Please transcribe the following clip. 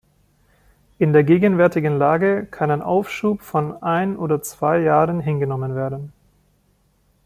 In der gegenwärtigen Lage kann ein Aufschub von ein oder zwei Jahren hingenommen werden.